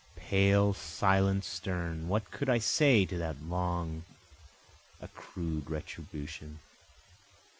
Pale, silent, stern, what could I say to that long accrued retribution?